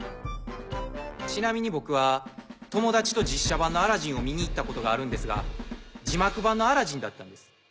ちなみに僕は友達と実写版の『アラジン』を見に行ったことがあるんですが字幕版の『アラジン』だったんです。